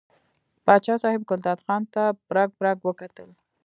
پاچا صاحب ګلداد خان ته برګ برګ وکتل.